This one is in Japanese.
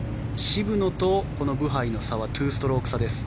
渋野とブハイの差は２ストローク差です。